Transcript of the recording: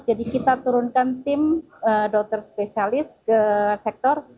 jadi kita turunkan tim dokter spesialis ke sektor